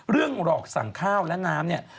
หลอกสั่งข้าวและน้ำเนี่ย